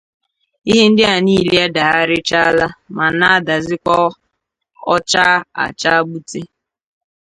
ihe ndị a niile adagharịchaala ma na-adazịkwa ọ chaa achaa gbute